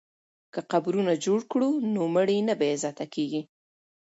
که قبرونه جوړ کړو نو مړي نه بې عزته کیږي.